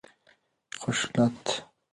خشونت